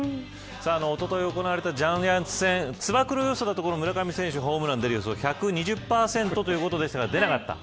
おととい行われたジャイアンツ戦つば九郎予想だと村上選手ホームラン予想１２０％でしたが出なかった。